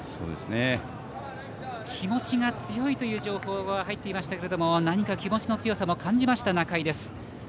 気持ちが強いという情報が入っていましたけれども何か気持ちの強さも感じました仲井です。